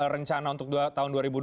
rencana untuk tahun dua ribu dua puluh